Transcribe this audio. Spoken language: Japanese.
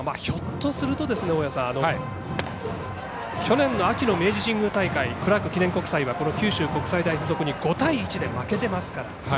ひょっとすると、大矢さん去年の秋の明治神宮大会クラーク記念国際はこの九州国際大付属に５対１で負けていますから。